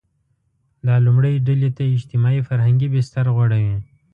دا لومړۍ ډلې ته اجتماعي – فرهنګي بستر غوړوي.